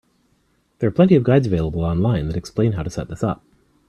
There are plenty of guides available online that explain how to set this up.